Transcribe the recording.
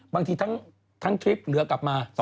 บางทีทั้งทริปเหลือกลับมา